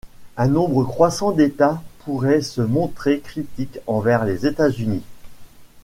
Un nombre croissant d’États pourraient se montrer critiques envers les États-Unis.